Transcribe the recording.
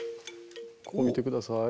ここ見て下さい。